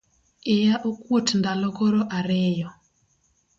Iya okuot ndalo koro ariyo